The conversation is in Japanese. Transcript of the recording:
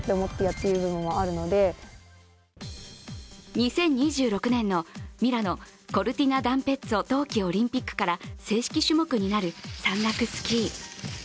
２０２６年のミラノ・コルティナダンペッツォ冬季オリンピックから正式種目になる山岳スキー。